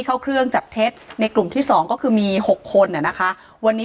เข้าเครื่องจับเทศในกลุ่มที่๒ก็คือมี๖คนนะคะวันนี้